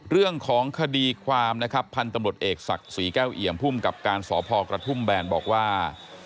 เรื่องของคดีความนะครับพันธุ์ตำรวจเอกศักดิ์ศรีแก้วเอี่ยมภูมิกับการสพกระทุ่มแบนบอกว่า